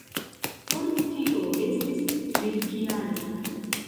Por tio estis tri kialoj.